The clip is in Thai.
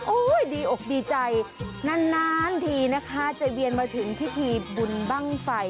โอ้ยดีอกดีใจนานนานทีนะคะจะเวียนมาถึงที่ทีบุญบ้างไฟ